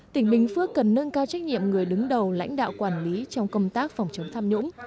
tỉnh bình phước cần nâng cao trách nhiệm người đứng đầu lãnh đạo quản lý trong công tác phòng chống tham nhũng